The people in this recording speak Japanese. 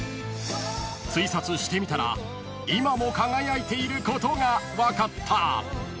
［ツイサツしてみたら今も輝いていることが分かった］